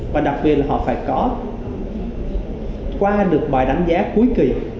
và đặc biệt là họ phải có qua được bài đánh giá cuối kỳ